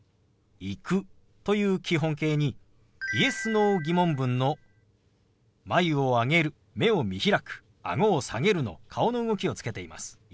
「行く」という基本形にＹｅｓ−Ｎｏ疑問文の眉を上げる目を見開くあごを下げるの顔の動きをつけています。